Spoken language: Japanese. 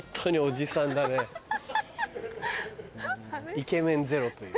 イケメンゼロという。